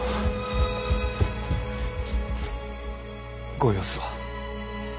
ご様子は？